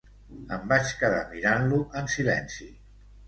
Em vaig quedar mirant-lo en silenci.